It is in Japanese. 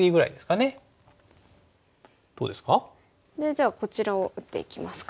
じゃあこちらを打っていきますか。